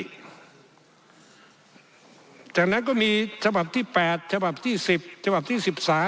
จากนั้นก็มีฉบับที่๘ฉบับที่๑๐ฉบับที่๑๓